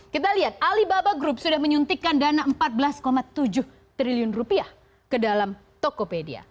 kita lihat alibaba group sudah menyuntikkan dana rp empat belas tujuh triliun rupiah ke dalam tokopedia